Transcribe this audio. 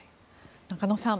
中野さん